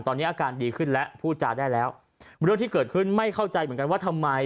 ตอนนี้อาการดีขึ้นแล้วพูดจาได้แล้วเรื่องที่เกิดขึ้นไม่เข้าใจเหมือนกันว่าทำไม